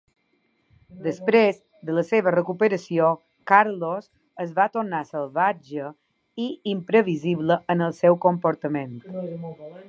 Després de la seva recuperació, Carlos es va tornar salvatge i imprevisible en el seu comportament.